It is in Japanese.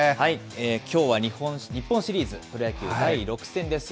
きょうは日本シリーズ、プロ野球第６戦です。